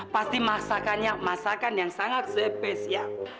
pasti masakannya masakan yang sangat spesial